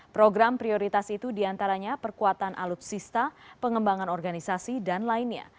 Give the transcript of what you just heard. program prioritas itu diantaranya perkuatan alutsista pengembangan organisasi dan lainnya